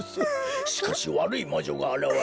しかしわるいまじょがあらわれ